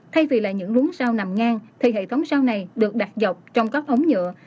thay vì là những luống rau nằm ngang thì hệ thống rau này được đặt dọc trong cấp ống nhựa